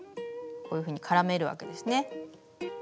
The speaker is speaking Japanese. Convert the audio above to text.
こういうふうに絡めるわけですね。